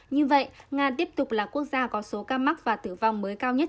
như vậy nga tiếp tục là quốc gia có số ca mắc và tử vong mới cao nhất